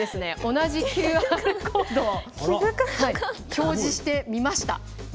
表示してみました。